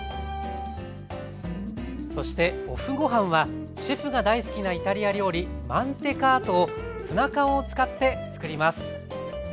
そしてＯＦＦごはんはシェフが大好きなイタリア料理マンテカートをツナ缶を使ってつくります。